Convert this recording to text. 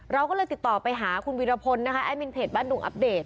เราก็เลยติดต่อไปหาคุณวิรพลนะคะแอดมินเพจบ้านดุงอัปเดต